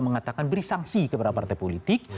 mengatakan beri sanksi kepada partai politik